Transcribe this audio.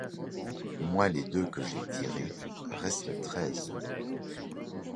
Moins les deux que j’ai tirées, restent treize.